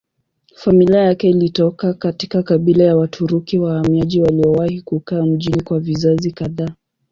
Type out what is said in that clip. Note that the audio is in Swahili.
Familia yake ilitoka katika kabila ya Waturuki wahamiaji waliowahi kukaa mjini kwa vizazi kadhaa.